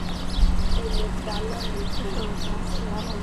Shilekpa lo me xo edi.